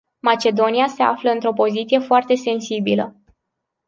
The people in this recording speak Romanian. Macedonia se află într-o poziție foarte sensibilă.